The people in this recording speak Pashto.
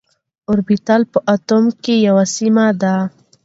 اوربيتال په اتوم کي يوه سيمه ده.